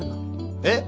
えっ！